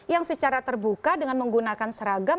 yang secara terbuka dengan menggunakan seragam